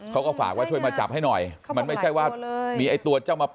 เขาก็ฝากว่าช่วยมาจับให้หน่อยมันไม่ใช่ว่ามีไอ้ตัวเจ้ามา